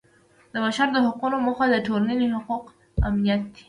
د بشر د حقونو موخه د ټولنې حقوقو امنیت دی.